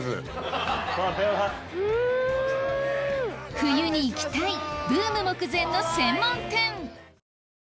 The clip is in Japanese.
冬に行きたいブーム目前の専門店！